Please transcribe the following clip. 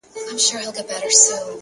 تا څنگه زه ما څنگه ته له ياده وايستلې;